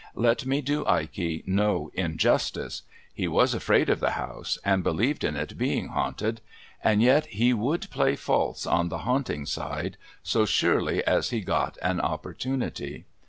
Let me do Ikey no injustice. He was afraid of the house, and believed in its being haunted ; and yet he would play false on the haunting side, so surely as he got an opportunity.